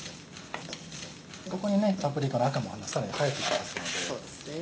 ここにパプリカの赤もさらに映えてきますので。